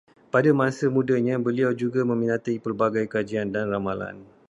Pada masa mudanya, beliau juga meminati pelbagai kajian dan ramalan